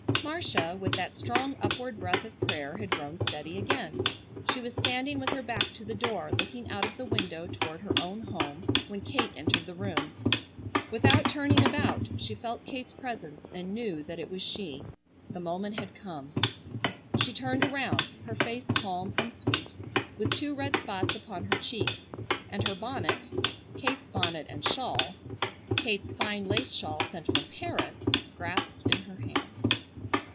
Marcia, with that strong upward breath of prayer had grown steady again. She was standing with her back to the door looking out of the window toward her own home when Kate entered the room. Without turning about she felt Kate's presence and knew that it was she. The moment had come. She turned around, her face calm and sweet, with two red spots upon her cheeks, and her bonnet,—Kate's bonnet and shawl, Kate's fine lace shawl sent from Paris—grasped in her hands.